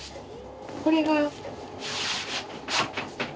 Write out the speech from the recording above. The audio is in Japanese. これが。